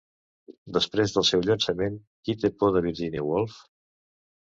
Després del seu llançament, Qui té por de Virginia Woolf?